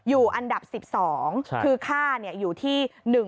อยู่อันดับ๑๒คือค่าเนี่ยอยู่ที่๑๖๒